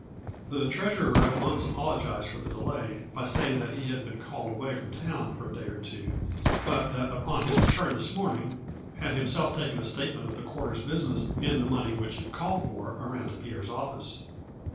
The treasurer at once apologized for the delay, by saying that he had been called away from town for a day or two, but, that upon his return this morning, had himself taken a statement of the quarter's business and the money which it called for around to Pierre's office.